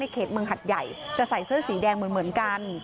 เขตเมืองหัดใหญ่จะใส่เสื้อสีแดงเหมือนกัน